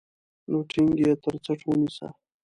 نو ټينګ يې تر څټ ونيسه.